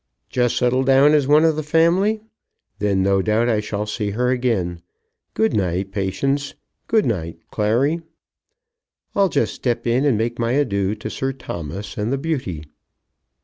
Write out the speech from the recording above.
"Just settle down as one of the family? Then, no doubt, I shall see her again. Good night, Patience. Good bye, Clary. I'll just step in and make my adieux to Sir Thomas and the beauty."